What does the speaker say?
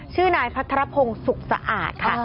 ชื่อนายพัทรพงศ์สุขสะอาดค่ะ